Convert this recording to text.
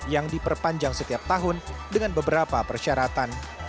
yang diperpanjang setiap tahun dengan beberapa persyaratan